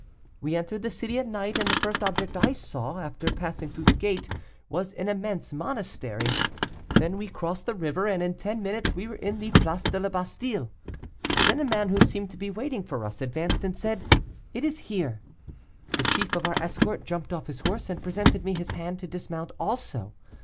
We entered the city at night, and the first object I saw, after passing through the gate, was an immense monastery; then we crossed the river, and in ten minutes we were in the Place de la Bastile. Then a man who seemed to be waiting for us, advanced and said, 'It is here.' The chief of our escort jumped off his horse, and presented me his hand to dismount also.